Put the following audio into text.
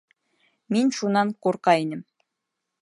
Мин шунан ҡурҡа инем.